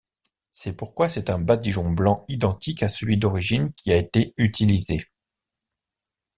C'est pourquoi c'est un badigeon blanc identique à celui d'origine qui a été utilisé.